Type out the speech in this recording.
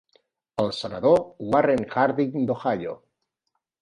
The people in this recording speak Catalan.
El senador Warren Harding d'Ohio.